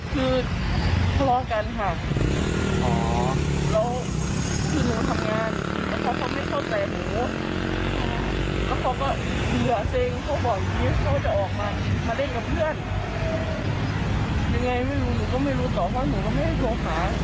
คือทะเลากันค่ะ